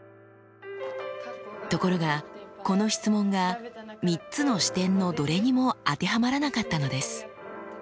ところがこの質問が３つの視点のどれにも当てはまらなかったのです。